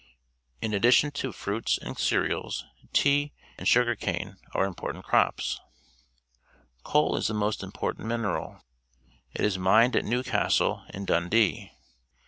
In addition to fruits and cer eals, t ea, and sugar cane are important crops. Coal is the most impo rtant miner al. It is mined at N ewcast le and D uvAp.p.